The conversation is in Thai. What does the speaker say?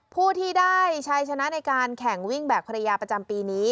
ผู้ที่ได้ชัยชนะในการแข่งวิ่งแบบภรรยาประจำปีนี้